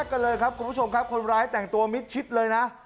กันเลยครับคุณผู้ชมครับคนร้ายแต่งตัวมิดชิดเลยนะ